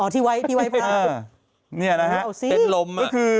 อ๋อที่ไว้ที่ไว้พาเออเนี่ยนะฮะเอาสิเต็นต์ลมนี่คือ